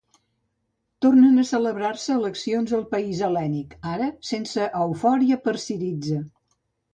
Tornen a celebrar-se eleccions al país hel·lènic, ara sense eufòria per Syriza.